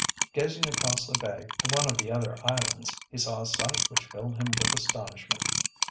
Gazing across the bay to one of the other islands, he saw a sight which filled him with astonishment.